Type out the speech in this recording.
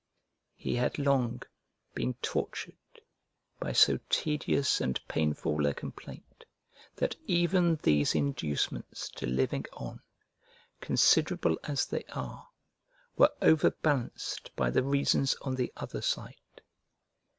He had long been tortured by so tedious and painful a complaint that even these inducements to living on, considerable as they are, were over balanced by the reasons on the other side.